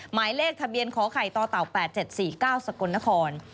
หมายเลขทะเบียนขอไข่ต่อเต่า๘๗๔๙สกลนคร